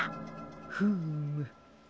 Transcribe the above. フーム。